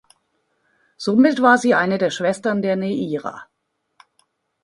Somit war sie eine der „Schwestern“ der Neaira.